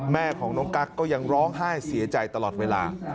แม่ของน้องกั๊กก็ยังร้องไห้เสียใจตลอดเวลา